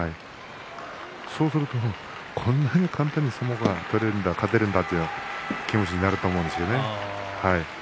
そうすると、こんなに簡単に相撲が取れるんだ勝てるんだという気持ちになると思うんですね。